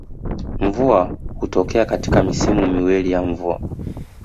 Mvua hutokea katika misimu miwili ya mvua